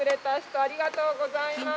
ありがとうございます。